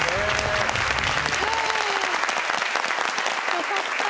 よかった。